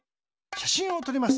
しゃしんをとります。